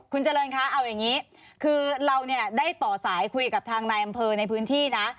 คุณเจริญคะเอาอย่างนี้คือเราเนี่ยได้ต่อสายคุยกับทางนายอำเภอในพื้นที่นะ